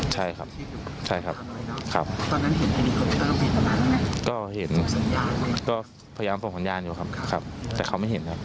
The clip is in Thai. ใช่ครับใช่ครับครับก็เห็นก็พยายามส่งสัญญาณอยู่ครับครับแต่เขาไม่เห็นครับ